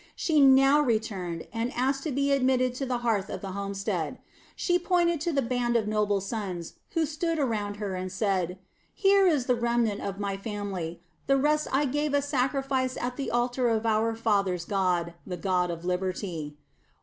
She now returned, and asked to be admitted to the hearth of the homestead. She pointed to the band of noble sons who stood around her and said: "Here is the remnant of my family; the rest I gave a sacrifice at the altar of our fathers' God the God of Liberty."